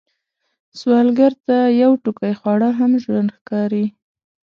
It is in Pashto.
سوالګر ته یو ټوقی خواړه هم ژوند ښکاري